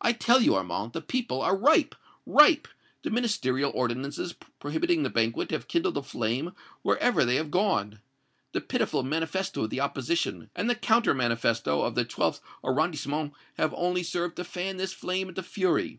I tell you, Armand, the people are ripe ripe! The Ministerial ordinances prohibiting the banquet have kindled a flame wherever they have gone. The pitiful manifesto of the opposition and the counter manifesto of the Twelfth Arrondissement have only served to fan this flame into fury.